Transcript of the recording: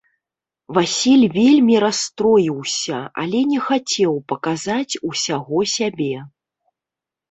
Васіль вельмі расстроіўся, але не хацеў паказаць усяго сябе.